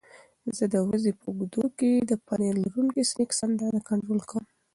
زه د ورځې په اوږدو کې د پنیر لرونکي سنکس اندازه کنټرول کوم.